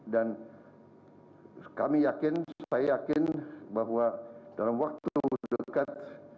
dan kami yakin saya yakin bahwa dalam waktu dekat